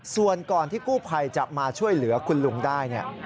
ส่วนก่อนที่กู้ภัยจะมาช่วยเหลือคุณลุงได้เนี่ย